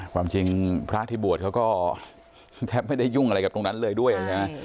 ความจริงพระที่บวชเขาก็แทบไม่ได้ยุ่งอะไรกับตรงนั้นเลยด้วยใช่ไหม